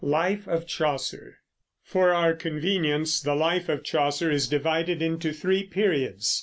LIFE OF CHAUCER. For our convenience the life of Chaucer is divided into three periods.